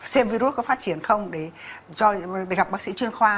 xem virus có phát triển không để gặp bác sĩ chuyên khoa